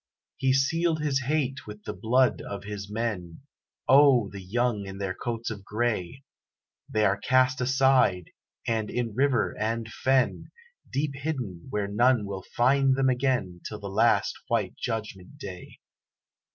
He sealed his hate with the blood of his men O, the young in their coats of grey! They are cast aside, and in river, and fen, Deep hidden, where none will find them again Till the last white judgment day.